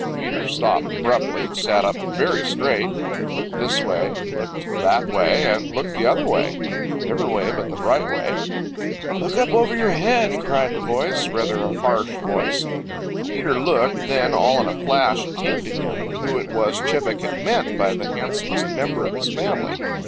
Peter stopped abruptly, sat up very straight, looked this way, looked that way and looked the other way, every way but the right way. "Look up over your head," cried the voice, rather a harsh voice. Peter looked, then all in a flash it came to him who it was Chebec had meant by the handsomest member of his family.